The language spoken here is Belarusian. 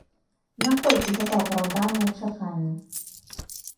Наколькі гэта апраўданыя чаканні?